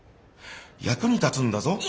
役に立つんだぞ。